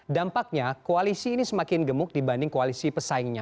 dampaknya koalisi ini semakin gemuk dibanding koalisi pesaingnya